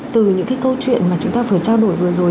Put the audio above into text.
từ những cái câu chuyện mà chúng ta vừa trao đổi vừa rồi